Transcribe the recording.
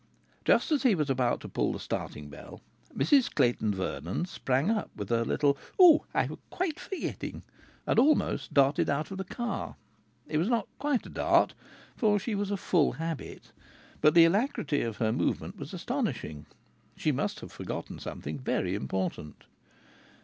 Just as he was about to pull the starting bell, Mrs Clayton Vernon sprang up with a little "Oh, I was quite forgetting!" and almost darted out of the car. It was not quite a dart, for she was of full habit, but the alacrity of her movement was astonishing. She must have forgotten something very important.